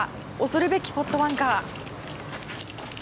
恐るべきポットバンカー。